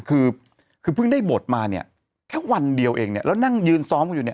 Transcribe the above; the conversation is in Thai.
คือคือเพิ่งได้บทมาเนี่ยแค่วันเดียวเองเนี่ยแล้วนั่งยืนซ้อมกันอยู่เนี่ย